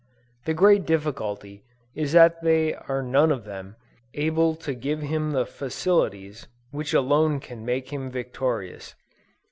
The great difficulty is that they are none of them, able to give him the facilities which alone can make him victorious.